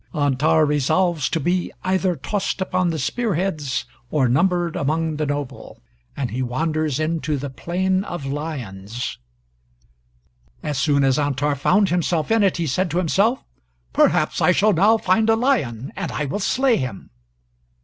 [Antar resolves to be either tossed upon the spear heads or numbered among the noble; and he wanders into the plain of lions.] As soon as Antar found himself in it, he said to himself, Perhaps I shall now find a lion, and I will slay him.